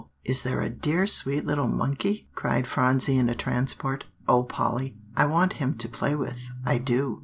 is there a dear sweet little monkey?" cried Phronsie in a transport. "O Polly! I want him to play with, I do."